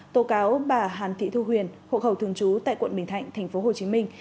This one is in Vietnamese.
tố cáo bà hàn thị thu huyền hộ khẩu thường trú tại quận bình thạnh thành phố hồ chí minh